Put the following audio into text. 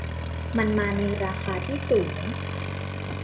มันมาในราคาที่สูง